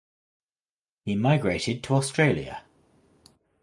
He migrated to Australia.